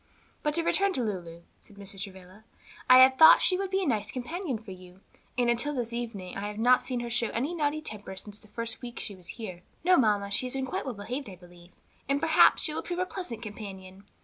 "But to return to Lulu," said Mrs. Travilla, "I had thought she would be a nice companion for you, and until this evening I have not seen her show any naughty temper since the first week she was here." "No, mamma, she has been quite well behaved, I believe, and perhaps she will prove a pleasant companion.